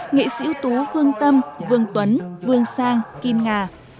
nghệ sĩ ưu tú vương tâm vương tuấn vương sang kim nga